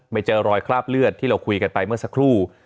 เจอรอยคราบเลือดที่เราคุยกันไปเมื่อสักครู่